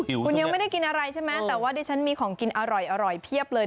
คุณยังไม่ได้กินอะไรใช่ไหมแต่ว่าดิฉันมีของกินอร่อยเพียบเลย